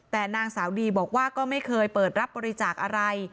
แต่นางสาวดีบอกว่าก็ไม่เคยเปิดรับบริจาคอะไร